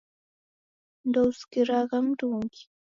Ndousikiragha mndungi!